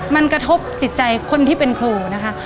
มันกระทบจิตใจคนที่เป็นครูนะคะ